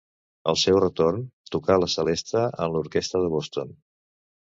Al seu retorn tocà la celesta en l'Orquestra de Boston.